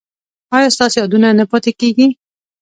ایا ستاسو یادونه نه پاتې کیږي؟